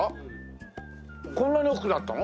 こんなに大きくなったの？